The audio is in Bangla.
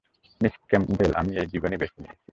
মিস ক্যাম্পবেল, আমি এই জীবনই বেছে নিয়েছি।